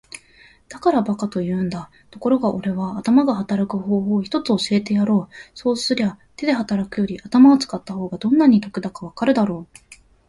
「だから馬鹿と言うんだ。ところがおれは頭で働く方法を一つ教えてやろう。そうすりゃ手で働くより頭を使った方がどんなに得だかわかるだろう。」